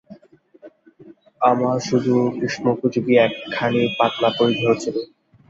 আমার শুধু গ্রীষ্মোপযোগী একখানি পাতলা পরিধেয় ছিল।